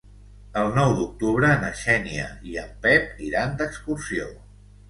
El nou d'octubre na Xènia i en Pep iran d'excursió.